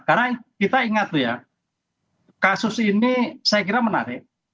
karena kita ingat kasus ini saya kira menarik